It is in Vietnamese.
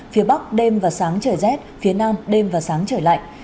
phía bắc đêm và sáng trời rét phía nam đêm và sáng trời lạnh